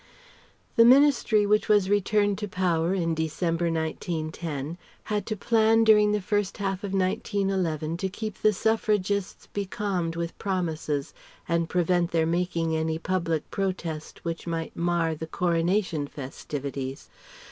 The Ministry which was returned to power in December, 1910, had to plan during the first half of 1911 to keep the Suffragists becalmed with promises and prevent their making any public protest which might mar the Coronation festivities.